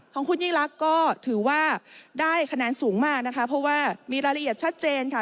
ของคุณยิ่งลักษณ์ก็ถือว่าได้คะแนนสูงมากนะคะเพราะว่ามีรายละเอียดชัดเจนค่ะ